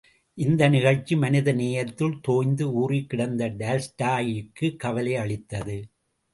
இந்த நிகழ்ச்சி மனித நேயத்தில் தோய்ந்து ஊறிக்கிடந்த டால்ஸ்டாயிக்கு கவலையளித்தது.